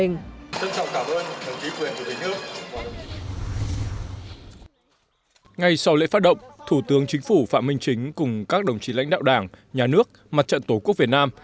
ngay sau lễ phát động thủ tướng chính phủ phạm minh chính cùng các đồng chí lãnh đạo đảng nhà nước mặt trận tổ quốc việt nam